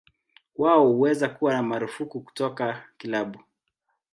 Wao huweza kuwa marufuku kutoka kilabu.